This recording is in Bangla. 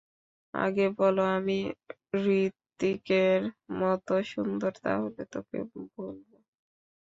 আগে বল আমি হৃতিকের মতো সুন্দর তাহলে তোকে বলব।